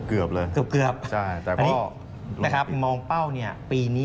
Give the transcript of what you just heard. เกือบเลยสูงสุดเกือบอันนี้นะครับมองเป้าปีนี้